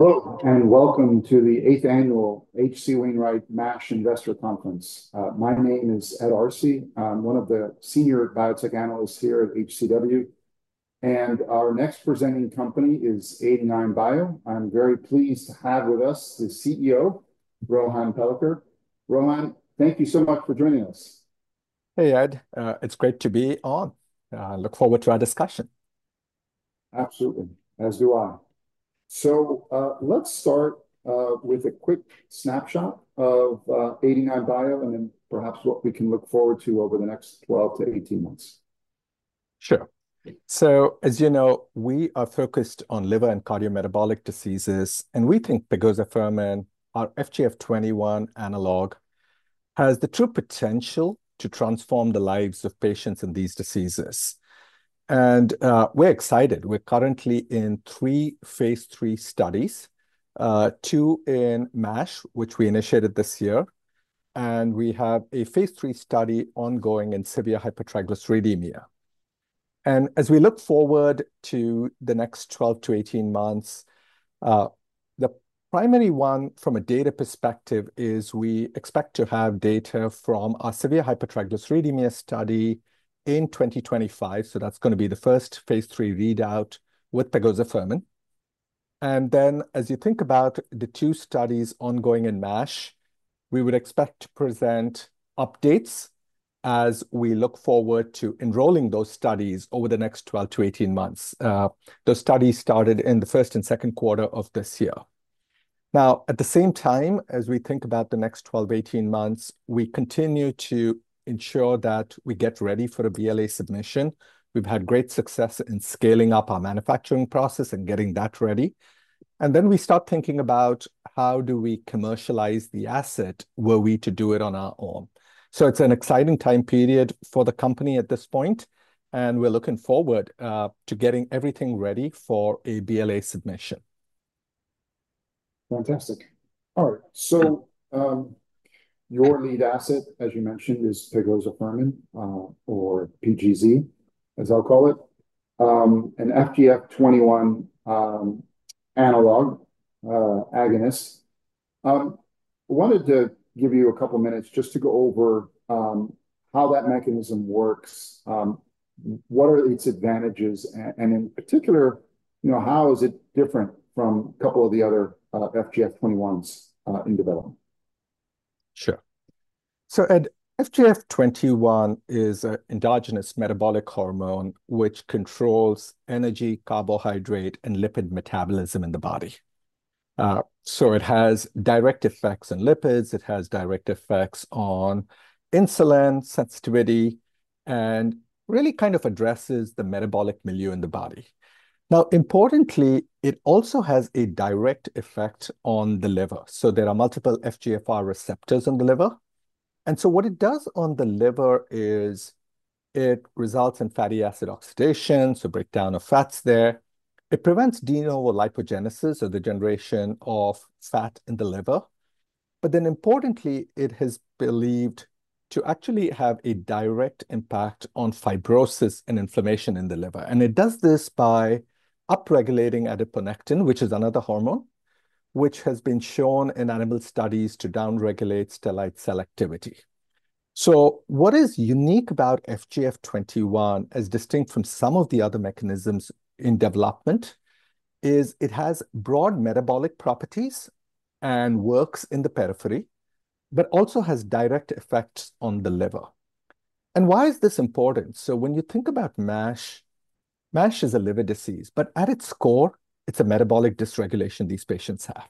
Hello, and welcome to the eighth annual H.C. Wainwright MASH Investor Conference. My name is Ed Arce. I'm one of the senior biotech analysts here at HCW, and our next presenting company is 89bio. I'm very pleased to have with us the CEO, Rohan Palekar. Rohan, thank you so much for joining us. Hey, Ed. It's great to be on. I look forward to our discussion. Absolutely, as do I. So, let's start with a quick snapshot of 89bio and then perhaps what we can look forward to over the next 12-18 months. Sure. So, as you know, we are focused on liver and cardiometabolic diseases, and we think pegozafermin, our FGF21 analog, has the true potential to transform the lives of patients in these diseases. And, we're excited. We're currently in three phase III studies, two in MASH, which we initiated this year, and we have a phase III study ongoing in severe hypertriglyceridemia. And as we look forward to the next 12 to 18 months, the primary one from a data perspective is we expect to have data from our severe hypertriglyceridemia study in 2025, so that's gonna be the first phase III readout with pegozafermin. And then, as you think about the two studies ongoing in MASH, we would expect to present updates as we look forward to enrolling those studies over the next 12 to 18 months. Those studies started in the first and second quarter of this year. Now, at the same time, as we think about the next 12 to 18 months, we continue to ensure that we get ready for a BLA submission. We've had great success in scaling up our manufacturing process and getting that ready. And then we start thinking about how do we commercialize the asset, were we to do it on our own. So it's an exciting time period for the company at this point, and we're looking forward to getting everything ready for a BLA submission. Fantastic. All right, so, your lead asset, as you mentioned, is pegozafermin, or PGZ, as I'll call it, an FGF21 analog agonist. I wanted to give you a couple of minutes just to go over how that mechanism works, what are its advantages, and in particular, you know, how is it different from a couple of the other FGF21s in development? Sure. So, Ed, FGF21 is a endogenous metabolic hormone, which controls energy, carbohydrate, and lipid metabolism in the body. So it has direct effects on lipids, it has direct effects on insulin sensitivity, and really kind of addresses the metabolic milieu in the body. Now, importantly, it also has a direct effect on the liver. So there are multiple FGFR receptors on the liver, and so what it does on the liver is it results in fatty acid oxidation, so breakdown of fats there. It prevents de novo lipogenesis, or the generation of fat in the liver. But then importantly, it is believed to actually have a direct impact on fibrosis and inflammation in the liver, and it does this by upregulating adiponectin, which is another hormone, which has been shown in animal studies to downregulate stellate cell activity. So what is unique about FGF21, as distinct from some of the other mechanisms in development, is it has broad metabolic properties and works in the periphery, but also has direct effects on the liver. And why is this important? So when you think about MASH, MASH is a liver disease, but at its core, it's a metabolic dysregulation these patients have.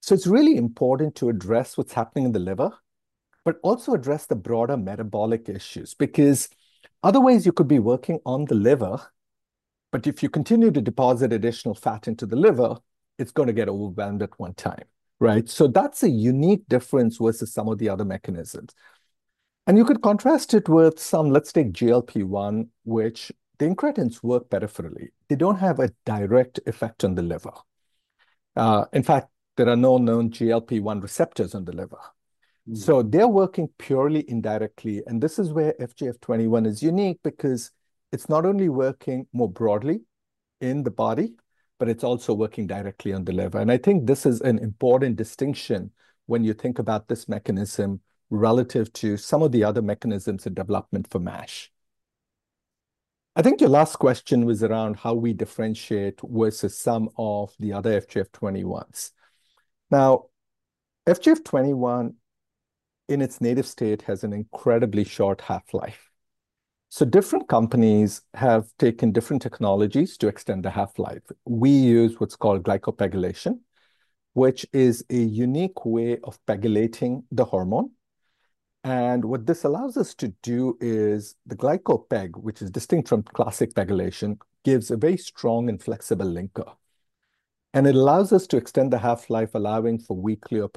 So it's really important to address what's happening in the liver, but also address the broader metabolic issues, because otherwise you could be working on the liver, but if you continue to deposit additional fat into the liver, it's gonna get overwhelmed at one time, right? So that's a unique difference versus some of the other mechanisms. And you could contrast it with some... Let's take GLP-1, which the incretins work peripherally. They don't have a direct effect on the liver. In fact, there are no known GLP-1 receptors on the liver. So they're working purely indirectly, and this is where FGF21 is unique because it's not only working more broadly in the body, but it's also working directly on the liver, and I think this is an important distinction when you think about this mechanism relative to some of the other mechanisms in development for MASH. I think your last question was around how we differentiate versus some of the other FGF21s. Now, FGF21, in its native state, has an incredibly short half-life. So different companies have taken different technologies to extend the half-life. We use what's called glycoPEGylation, which is a unique way of PEGylating the hormone. What this allows us to do is the glycoPEGylation, which is distinct from classic pegylation, gives a very strong and flexible linker, and it allows us to extend the half-life, allowing for weekly or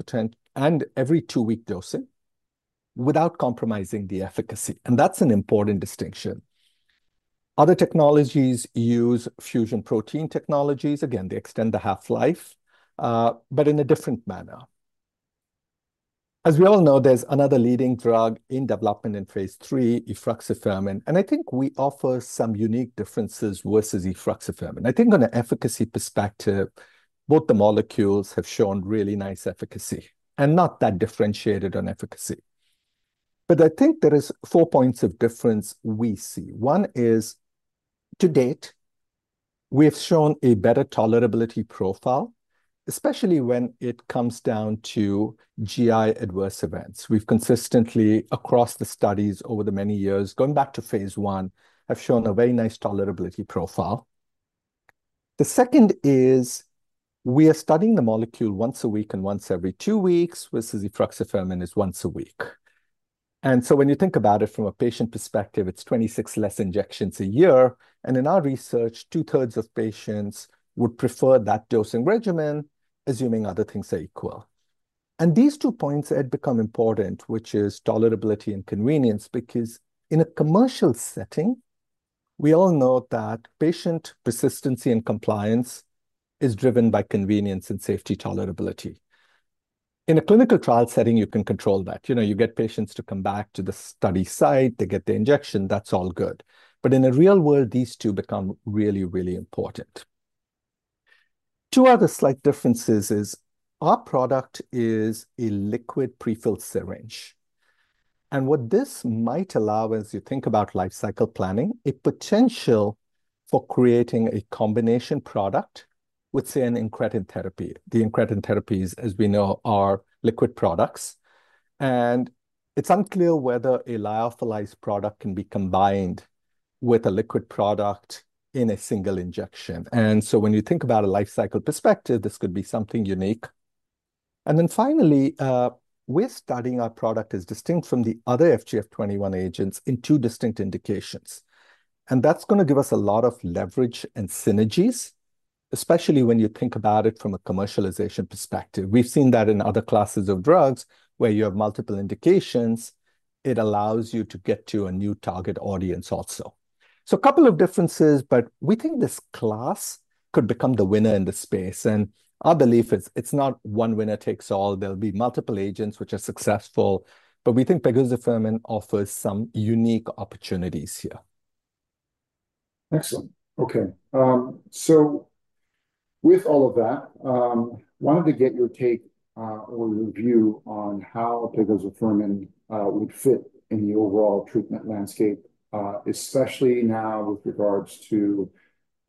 every two-week dosing without compromising the efficacy, and that's an important distinction. Other technologies use fusion protein technologies. Again, they extend the half-life, but in a different manner. As we all know, there's another leading drug in development in phase 3, efruxifermin, and I think we offer some unique differences versus efruxifermin. I think on an efficacy perspective, both the molecules have shown really nice efficacy, and not that differentiated on efficacy. I think there is four points of difference we see. One is, to date, we have shown a better tolerability profile, especially when it comes down to GI adverse events. We've consistently, across the studies over the many years, going back to phase 1, have shown a very nice tolerability profile. The second is, we are studying the molecule once a week and once every two weeks, versus efruxifermin is once a week. And so when you think about it from a patient perspective, it's 26 less injections a year, and in our research, two-thirds of patients would prefer that dosing regimen, assuming other things are equal. And these two points had become important, which is tolerability and convenience, because in a commercial setting, we all know that patient persistency and compliance is driven by convenience and safety tolerability. In a clinical trial setting, you can control that. You know, you get patients to come back to the study site, they get the injection, that's all good. But in the real world, these two become really, really important. Two other slight differences is our product is a liquid pre-filled syringe, and what this might allow, as you think about life cycle planning, a potential for creating a combination product with, say, an incretin therapy. The incretin therapies, as we know, are liquid products, and it's unclear whether a lyophilized product can be combined with a liquid product in a single injection. And so when you think about a life cycle perspective, this could be something unique. And then finally, we're studying our product as distinct from the other FGF21 agents in two distinct indications, and that's gonna give us a lot of leverage and synergies, especially when you think about it from a commercialization perspective. We've seen that in other classes of drugs, where you have multiple indications, it allows you to get to a new target audience also. So a couple of differences, but we think this class could become the winner in this space, and our belief is it's not one winner takes all. There'll be multiple agents which are successful, but we think pegozafermin offers some unique opportunities here. Excellent. Okay, so with all of that, wanted to get your take, or review on how pegozafermin would fit in the overall treatment landscape, especially now with regards to,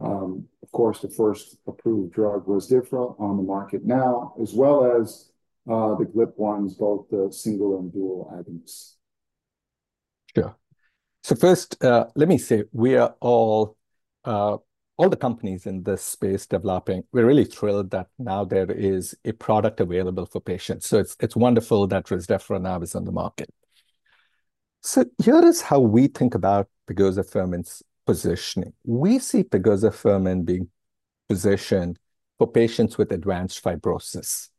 of course, the first approved drug, Rezdiffra, on the market now, as well as, the GLP-1s, both the single and dual agonists. Yeah. So first, let me say, we are all, all the companies in this space developing. We're really thrilled that now there is a product available for patients. So it's, it's wonderful that Rezdiffra now is on the market. So here is how we think about pegozafermin's positioning. We see pegozafermin being positioned for patients with advanced fibrosis,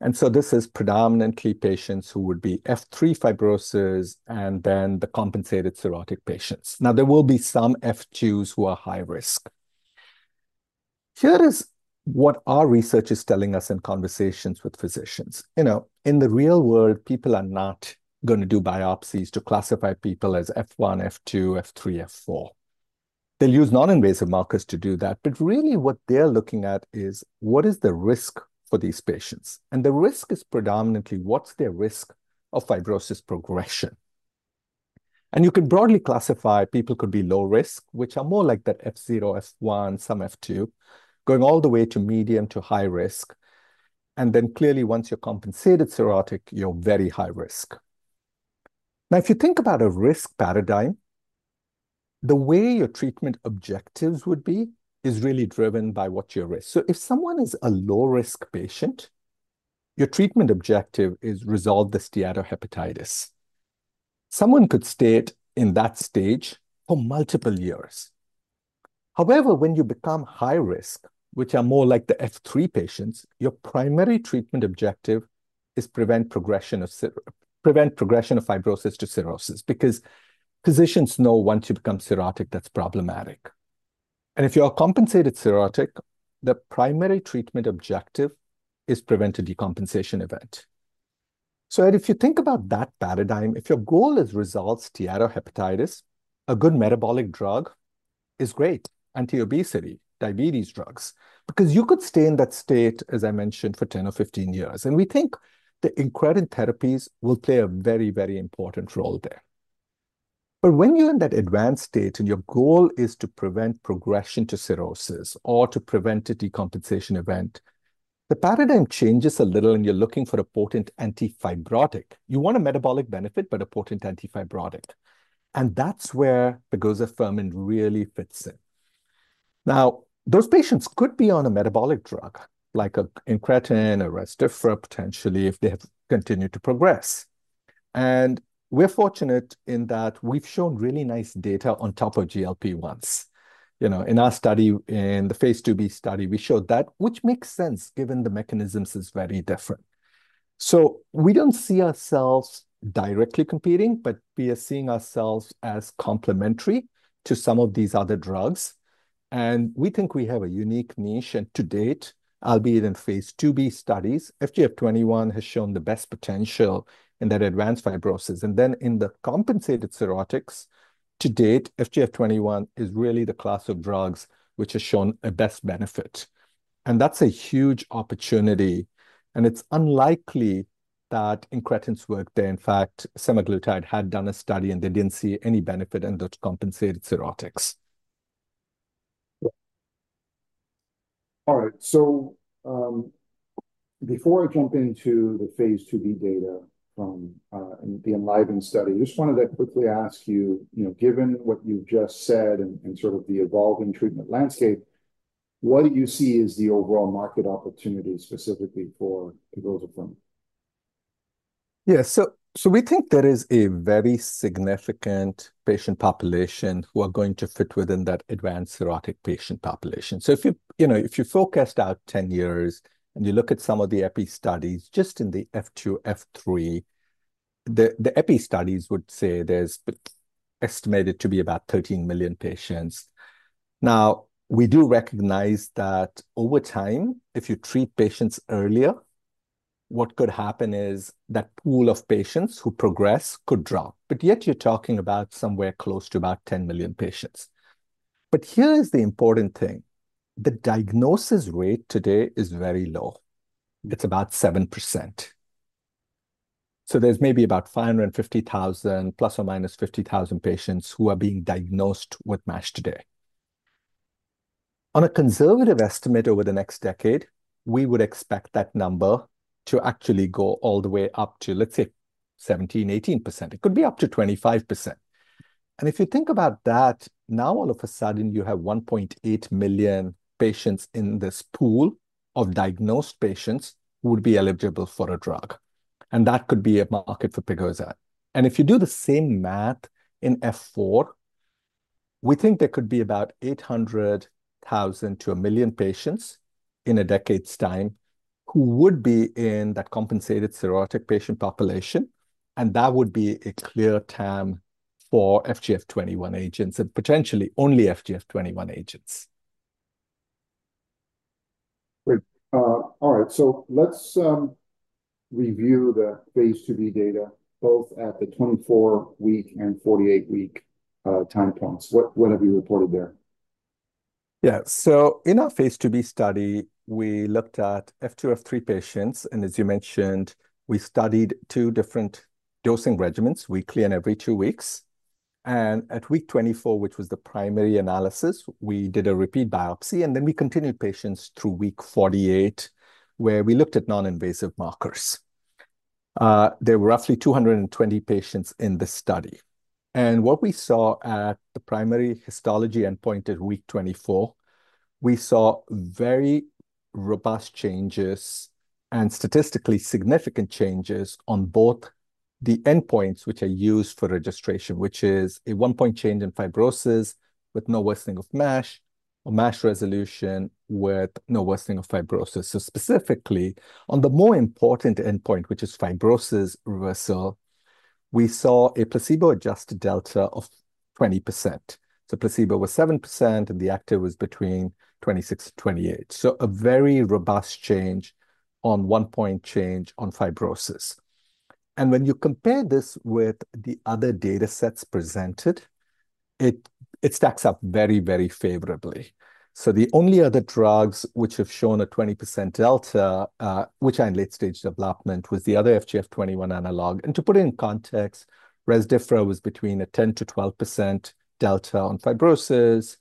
and so this is predominantly patients who would be F3 fibrosis and then the compensated cirrhotic patients. Now, there will be some F2s who are high risk. Here is what our research is telling us in conversations with physicians. You know, in the real world, people are not gonna do biopsies to classify people as F1, F2, F3, F4. They'll use non-invasive markers to do that, but really, what they're looking at is, what is the risk for these patients? And the risk is predominantly, what's their risk of fibrosis progression? And you can broadly classify, people could be low risk, which are more like that F0, F1, some F2, going all the way to medium to high risk. And then clearly, once you're compensated cirrhotic, you're very high risk. Now, if you think about a risk paradigm, the way your treatment objectives would be is really driven by what's your risk. So if someone is a low-risk patient, your treatment objective is resolve the steatohepatitis. Someone could stay in that stage for multiple years. However, when you become high risk, which are more like the F3 patients, your primary treatment objective is prevent progression of fibrosis to cirrhosis, because physicians know once you become cirrhotic, that's problematic. And if you are compensated cirrhotic, the primary treatment objective is prevent a decompensation event. So if you think about that paradigm, if your goal is resolve steatohepatitis, a good metabolic drug is great, anti-obesity, diabetes drugs, because you could stay in that state, as I mentioned, for 10 or 15 years. And we think the incretin therapies will play a very, very important role there. But when you're in that advanced state, and your goal is to prevent progression to cirrhosis or to prevent a decompensation event, the paradigm changes a little, and you're looking for a potent antifibrotic. You want a metabolic benefit, but a potent antifibrotic, and that's where pegozafermin really fits in. Now, those patients could be on a metabolic drug, like a incretin, a Rezdiffra, potentially, if they have continued to progress. And we're fortunate in that we've shown really nice data on top of GLP-1s. You know, in our study, in the phase 2b study, we showed that, which makes sense, given the mechanisms is very different, so we don't see ourselves directly competing, but we are seeing ourselves as complementary to some of these other drugs, and we think we have a unique niche, and to date, albeit in phase 2b studies, FGF21 has shown the best potential in that advanced fibrosis, and then in the compensated cirrhotics, to date, FGF21 is really the class of drugs which has shown a best benefit, and that's a huge opportunity, and it's unlikely that incretins work there. In fact, semaglutide had done a study, and they didn't see any benefit in the compensated cirrhotics. All right. Before I jump into the phase 2b data from the ENLIVEN study, I just wanted to quickly ask you, you know, given what you've just said and sort of the evolving treatment landscape, what do you see is the overall market opportunity specifically for pegozafermin? Yeah. So we think there is a very significant patient population who are going to fit within that advanced cirrhotic patient population. So if you, you know, if you forecast out 10 years and you look at some of the epi studies, just in the F2, F3, the epi studies would say there's estimated to be about 13 million patients. Now, we do recognize that over time, if you treat patients earlier, what could happen is that pool of patients who progress could drop, but yet you're talking about somewhere close to about 10 million patients. But here is the important thing. The diagnosis rate today is very low. It's about 7%. So there's maybe about 550,000, plus or minus 50,000 patients, who are being diagnosed with MASH today. On a conservative estimate, over the next decade, we would expect that number to actually go all the way up to, let's say, 17%-18%. It could be up to 25%. And if you think about that, now all of a sudden, you have 1.8 million patients in this pool of diagnosed patients who would be eligible for a drug, and that could be a market for pegozafermin. And if you do the same math in F4, we think there could be about 800,000 to 1 million patients in a decade's time who would be in that compensated cirrhotic patient population, and that would be a clear TAM for FGF21 agents and potentially only FGF21 agents. Great. All right, so let's review the phase IIb data, both at the 24-week and 48-week time points. What, what have you reported there? Yeah. So in our phase IIb study, we looked at F2, F3 patients, and as you mentioned, we studied two different dosing regimens, weekly and every two weeks. And at week 24, which was the primary analysis, we did a repeat biopsy, and then we continued patients through week 48, where we looked at non-invasive markers. There were roughly 220 patients in this study. And what we saw at the primary histology endpoint at week 24, we saw very robust changes and statistically significant changes on both the endpoints, which are used for registration, which is a one-point change in fibrosis with no worsening of MASH or MASH resolution with no worsening of fibrosis. So specifically, on the more important endpoint, which is fibrosis reversal, we saw a placebo-adjusted delta of 20%. So placebo was 7%, and the active was between 26% to 28%. So a very robust one-point change on fibrosis. And when you compare this with the other datasets presented, it stacks up very, very favorably. So the only other drugs which have shown a 20% delta, which are in late-stage development, was the other FGF21 analog. And to put it in context, Rezdiffra was between a 10%-12% delta on fibrosis.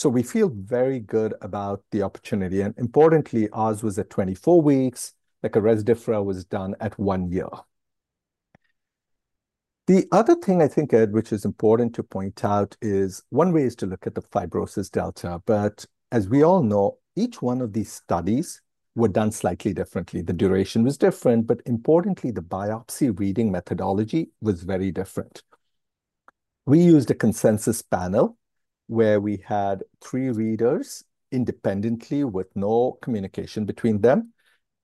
So we feel very good about the opportunity, and importantly, ours was at 24 weeks, like a Rezdiffra was done at one year. The other thing I think, Ed, which is important to point out, is one way is to look at the fibrosis delta. But as we all know, each one of these studies were done slightly differently. The duration was different, but importantly, the biopsy reading methodology was very different. We used a consensus panel where we had three readers independently, with no communication between them,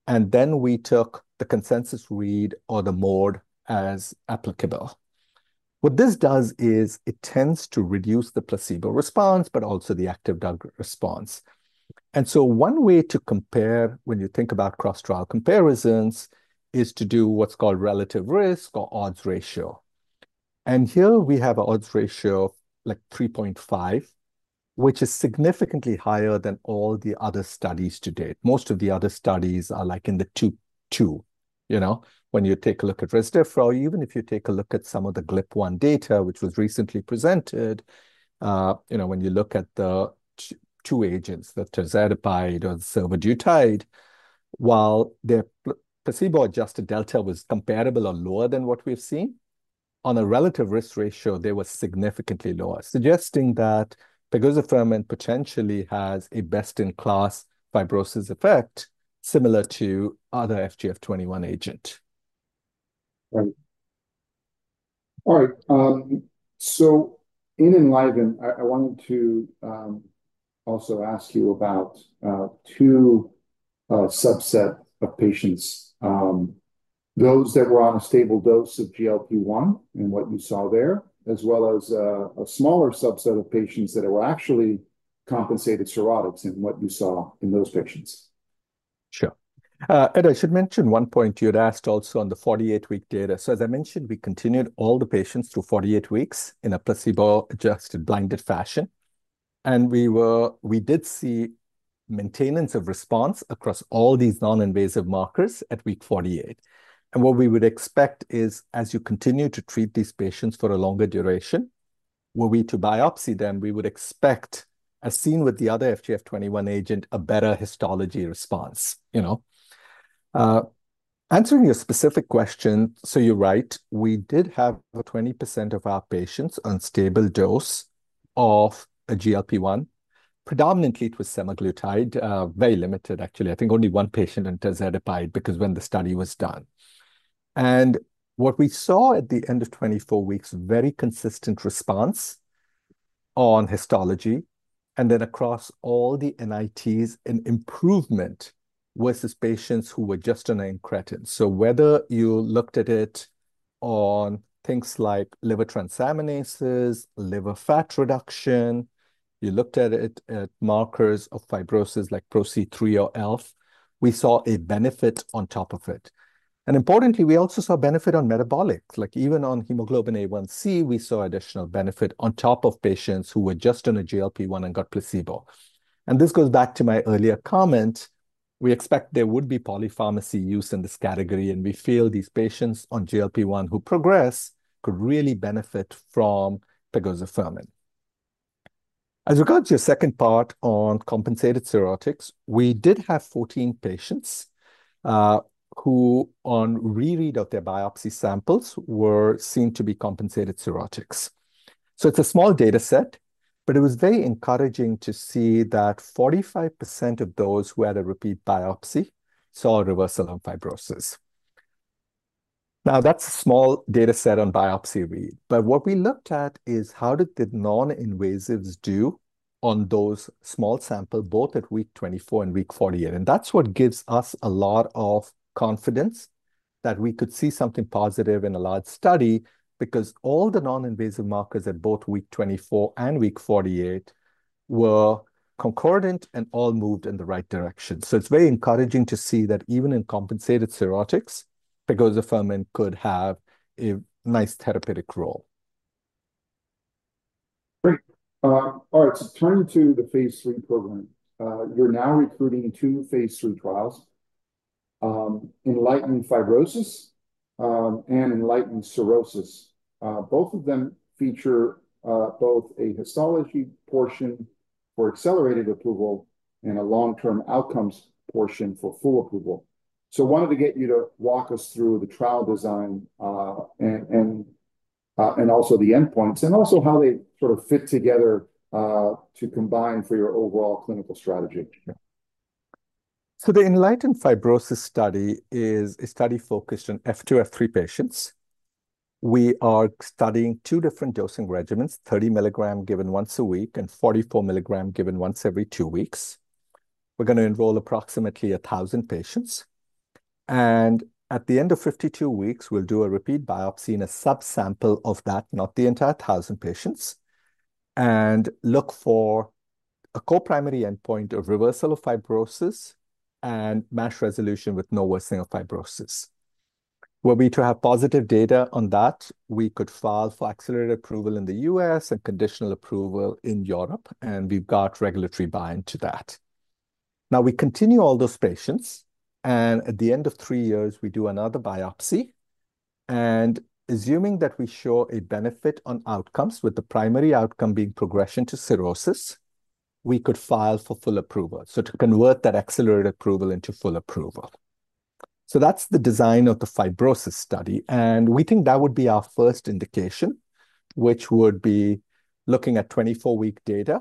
and then we took the consensus read or the mode as applicable. What this does is it tends to reduce the placebo response but also the active drug response, and so one way to compare when you think about cross-trial comparisons is to do what's called relative risk or odds ratio, and here we have an odds ratio of, like, 3.5, which is significantly higher than all the other studies to date. Most of the other studies are, like, in the two, two. You know, when you take a look at Rezdiffra, or even if you take a look at some of the GLP-1 data, which was recently presented, you know, when you look at the T2 agents, the tirzepatide or the sotagliflozin, while their placebo-adjusted delta was comparable or lower than what we've seen, on a relative risk ratio, they were significantly lower, suggesting that pegozafermin potentially has a best-in-class fibrosis effect similar to other FGF21 agent. Right. All right, so in ENLIVEN, I wanted to also ask you about two subset of patients, those that were on a stable dose of GLP-1 and what you saw there, as well as a smaller subset of patients that were actually compensated cirrhotics and what you saw in those patients. Sure, and I should mention one point you had asked also on the 48-week data, as I mentioned, we continued all the patients to 48 weeks in a placebo-adjusted, blinded fashion, and we did see maintenance of response across all these non-invasive markers at week 48, and what we would expect is, as you continue to treat these patients for a longer duration, were we to biopsy them, we would expect, as seen with the other FGF21 agent, a better histology response, you know? Answering your specific question, you're right, we did have 20% of our patients on stable dose of a GLP-1. Predominantly, it was semaglutide. Very limited, actually. I think only one patient in tirzepatide, because when the study was done. And what we saw at the end of 24 weeks, very consistent response on histology, and then across all the NITs, an improvement versus patients who were just on incretin. So whether you looked at it on things like liver transaminases, liver fat reduction, you looked at it at markers of fibrosis, like PRO-C3 or ELF, we saw a benefit on top of it. And importantly, we also saw benefit on metabolics. Like, even on hemoglobin A1C, we saw additional benefit on top of patients who were just on a GLP-1 and got placebo. And this goes back to my earlier comment, we expect there would be polypharmacy use in this category, and we feel these patients on GLP-1 who progress could really benefit from pegozafermin. As regards your second part on compensated cirrhotics, we did have 14 patients who, on re-read of their biopsy samples, were seen to be compensated cirrhotics. So it's a small data set, but it was very encouraging to see that 45% of those who had a repeat biopsy saw a reversal of fibrosis. Now, that's a small data set on biopsy read, but what we looked at is how did the non-invasives do on those small sample, both at week 24 and week 48. And that's what gives us a lot of confidence that we could see something positive in a large study, because all the non-invasive markers at both week 24 and week 48 were concordant and all moved in the right direction. So it's very encouraging to see that even in compensated cirrhotics, pegozafermin could have a nice therapeutic role. Great. All right, so turning to the phase III program, you're now recruiting two phase III trials, ENLIGHTEN-Fibrosis, and ENLIGHTEN Cirrhosis. Both of them feature both a histology portion for accelerated approval and a long-term outcomes portion for full approval. So I wanted to get you to walk us through the trial design, and also the endpoints, and also how they sort of fit together, to combine for your overall clinical strategy. The ENLIGHTEN-Fibrosis study is a study focused on F2, F3 patients. We are studying two different dosing regimens, 30mg given once a week and 44mg given once every two weeks. We're gonna enroll approximately 1,000 patients, and at the end of 52 weeks, we'll do a repeat biopsy in a subsample of that, not the entire 1,000 patients, and look for a co-primary endpoint of reversal of fibrosis and MASH resolution with no worsening of fibrosis. Were we to have positive data on that, we could file for accelerated approval in the U.S. and conditional approval in Europe, and we've got regulatory buy-in to that. Now, we continue all those patients, and at the end of three years, we do another biopsy, and assuming that we show a benefit on outcomes, with the primary outcome being progression to cirrhosis, we could file for full approval, so to convert that accelerated approval into full approval. So that's the design of the fibrosis study, and we think that would be our first indication, which would be looking at 24-week data,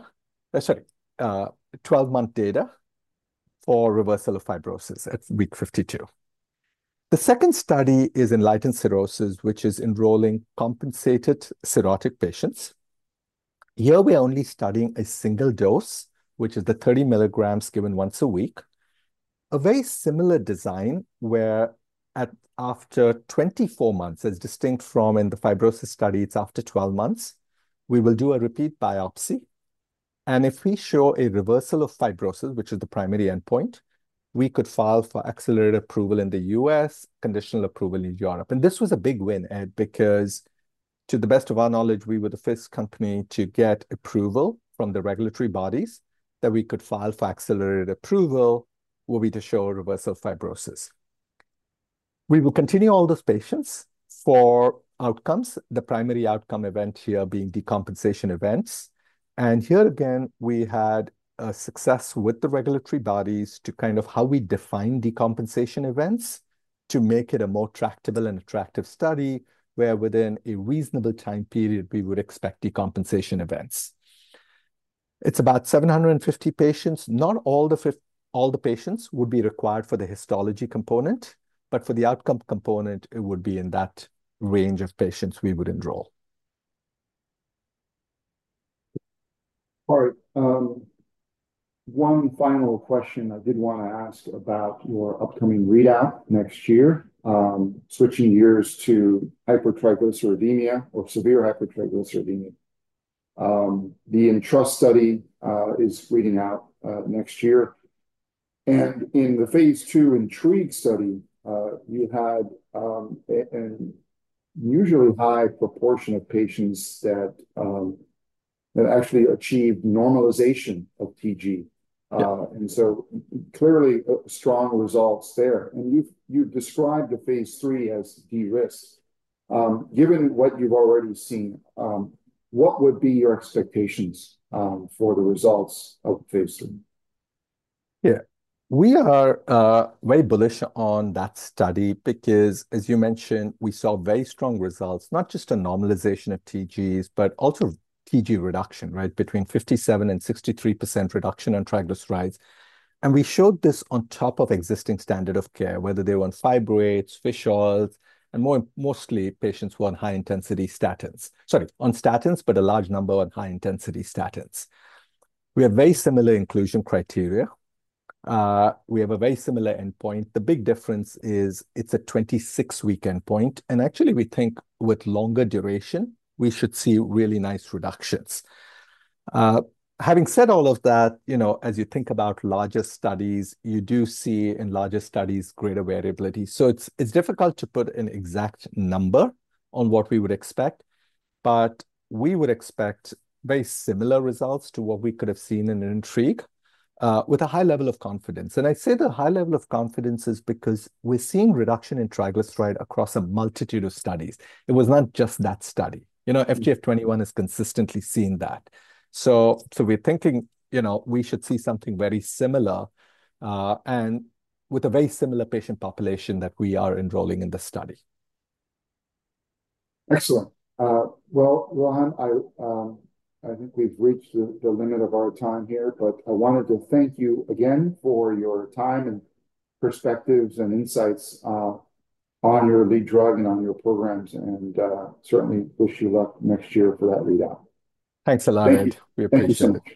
12-month data for reversal of fibrosis at week 52. The second study is ENLIGHTEN-Cirrhosis, which is enrolling compensated cirrhotic patients. Here we are only studying a single dose, which is the 30mg given once a week. A very similar design, where after 24 months, as distinct from in the fibrosis study, it's after 12 months, we will do a repeat biopsy, and if we show a reversal of fibrosis, which is the primary endpoint, we could file for accelerated approval in the U.S., conditional approval in Europe. And this was a big win, Ed, because to the best of our knowledge, we were the first company to get approval from the regulatory bodies that we could file for accelerated approval were we to show a reversal of fibrosis. We will continue all those patients for outcomes, the primary outcome event here being decompensation events. And here again, we had a success with the regulatory bodies to kind of how we define decompensation events to make it a more tractable and attractive study, where within a reasonable time period, we would expect decompensation events. It's about 750 patients. Not all the patients would be required for the histology component, but for the outcome component, it would be in that range of patients we would enroll. All right, one final question I did want to ask about your upcoming readout next year, switching gears to hypertriglyceridemia or severe hypertriglyceridemia. The ENTRUST study is reading out next year, and in the phase 2 INTRIGUE study, we've had an unusually high proportion of patients that actually achieved normalization of TG. Yeah. And so clearly, strong results there. And you've, you've described the phase 3 as de-risk. Given what you've already seen, what would be your expectations for the results of phase 3? Yeah. We are very bullish on that study because, as you mentioned, we saw very strong results, not just a normalization of TGs, but also TG reduction, right? Between 57%-63% reduction in triglycerides, and we showed this on top of existing standard of care, whether they were on fibrates, fish oils, and more, mostly patients who on high-intensity statins. Sorry, on statins, but a large number on high-intensity statins. We have very similar inclusion criteria. We have a very similar endpoint. The big difference is it's a 26-week endpoint, and actually, we think with longer duration, we should see really nice reductions. Having said all of that, you know, as you think about larger studies, you do see in larger studies, greater variability. So it's difficult to put an exact number on what we would expect, but we would expect very similar results to what we could have seen in an INTRIGUE with a high level of confidence. And I say the high level of confidence is because we're seeing reduction in triglyceride across a multitude of studies. It was not just that study. You know, FGF21 has consistently seen that. So we're thinking, you know, we should see something very similar and with a very similar patient population that we are enrolling in the study. Excellent. Well, Rohan, I think we've reached the limit of our time here, but I wanted to thank you again for your time, and perspectives, and insights on your lead drug and on your programs, and certainly wish you luck next year for that readout. Thanks a lot. Thank you. We appreciate it.